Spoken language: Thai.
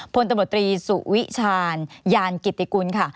พลตำรวจตรีสุวิชาญยานกิติกุลค่ะ